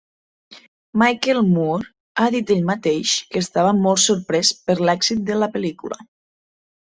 Michael Moore ha dit ell mateix que estava molt sorprès per l'èxit de la pel·lícula.